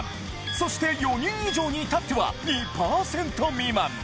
そして４人以上に至っては２％未満！